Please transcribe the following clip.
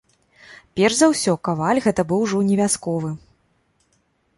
Перш за ўсё, каваль гэта быў ужо не вясковы.